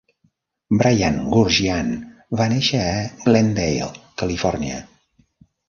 Brian Goorjian va néixer a Glendale, Califòrnia.